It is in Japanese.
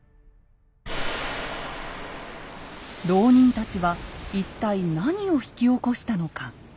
牢人たちは一体何を引き起こしたのか。